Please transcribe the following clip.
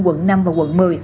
quận năm và quận một mươi